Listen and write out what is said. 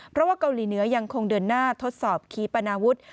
เพราะว่าเกาหลีเหนือยังคงเดินหน้าทดสอบคีปนาวุฒิ